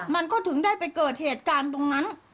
มันก็ถึงได้ไปเกิดเหตุการณ์ตรงนั้น